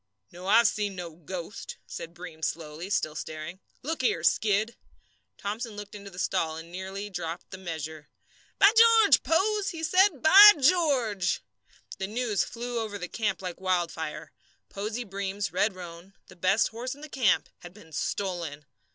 "No, I've seen no ghost," said Breem slowly, still staring. "Look here, Skid!" Thomson looked into the stall, and nearly dropped the measure. "By George, Pose!" he said. "By George!" The news flew over the camp like wildfire. Posey Breem's red roan, the best horse in the camp, had been stolen!